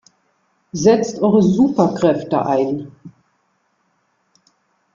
Setzt eure Superkräfte ein!